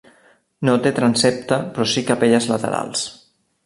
No té transsepte però sí capelles laterals.